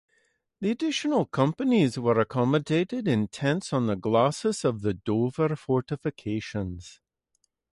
The additional companies were accommodated in tents on the Glacis of the Dover fortifications.